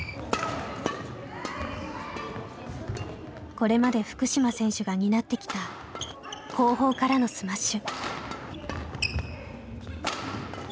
これまで福島選手が担ってきた後方からのスマッシュ。